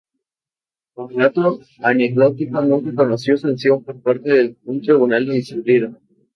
Como dato anecdótico, nunca conoció sanción por parte de un tribunal de disciplina.